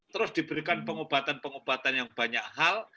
terus diberikan pengobatan pengobatan yang banyak hal